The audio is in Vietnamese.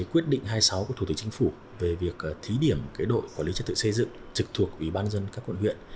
quyết định hai mươi sáu của thủ tướng chính phủ về việc thí điểm đội quản lý trật tự xây dựng trực thuộc ủy ban dân các quận huyện